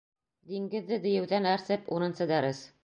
Диңгеҙҙе дейеүҙән әрсеп, Унынсы дәрес